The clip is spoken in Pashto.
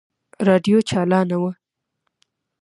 راډيو چالانه وه.